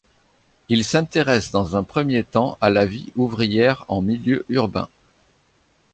Il s'intéresse dans un premier temps à la vie ouvrière en milieu urbain.